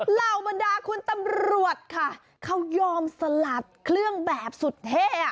เหล่าบรรดาคุณตำรวจค่ะเขายอมสลัดเครื่องแบบสุดเท่